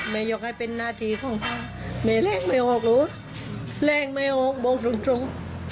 ไม่ยกให้เป็นนาธิของพ่อไม่แรงไม่ออกหรูแรงไม่ออกบอกจริงจริง